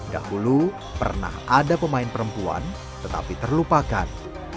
dahulu pernah ada pemain perempuan tetapi terlupakan